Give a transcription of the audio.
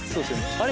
あれ？